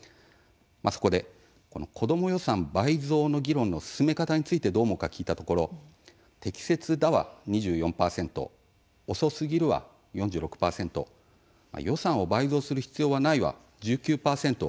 そこで、子ども予算倍増の議論の進め方についてどう思うか聞いたところ「適切だ」は２４％「遅すぎる」は４６％「予算を倍増する必要はない」は１９％でした。